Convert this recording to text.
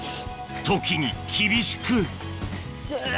時に厳しくうぅ！